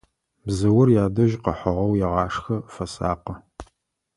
Бзыур ядэжь къыхьыгъэу егъашхэ, фэсакъы.